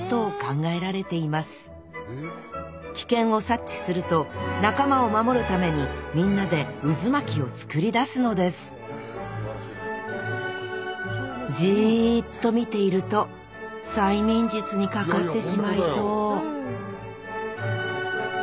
危険を察知すると仲間を守るためにみんなで渦巻きを作り出すのですジーッと見ていると催眠術にかかってしまいそういやいやほんとだよ。